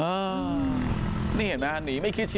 สุดท้ายเนี่ยขี่รถหน้าที่ก็ไม่ยอมหยุดนะฮะ